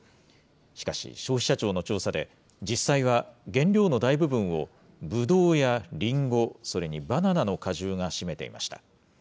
しかし消費者庁の調査で、実際は原料の大部分をブドウやリンゴ、それにバナナの果汁が占めていました。